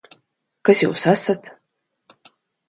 Kas Jūs esat?